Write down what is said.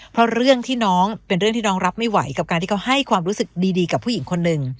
เพราะเรื่องที่น้องเป็นเรื่องที่น้องรับไม่ไหวกับการที่เขาให้ความรู้สึกดีกับผู้หญิงคนหนึ่ง